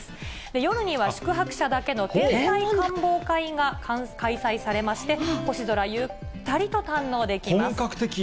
夜には宿泊者だけの天体観望会が開催されまして、星空、ゆったり本格的。